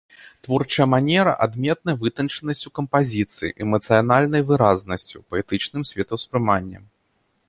Творчая манера адметная вытанчанасцю кампазіцыі, эмацыянальнай выразнасцю, паэтычным светаўспрыманнем.